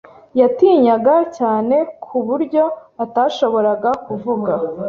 Yatinyaga cyane ku buryo atashoboraga kuvuga.